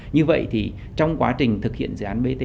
như vậy thì trong quá trình thực hiện dự án bt